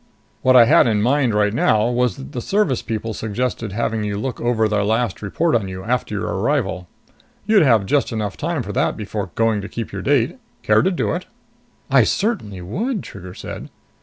"What I had in mind right now was that the Service people suggested having you look over their last report on you after your arrival. You'd have just enough time for that before going to keep your date. Care to do it?" "I certainly would!" Trigger said.